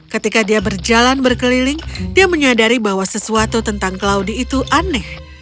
ketika dia berjalan berkeliling dia menyadari bahwa sesuatu tentang claudie itu aneh